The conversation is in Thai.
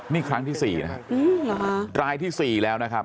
นี่ครั้งที่๔นะครับรายที่๔แล้วนะครับ